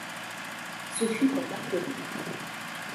Ce fut en Mâconnais.